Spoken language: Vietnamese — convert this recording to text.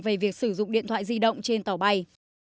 về việc sử dụng điện thoại di động trên tàu bay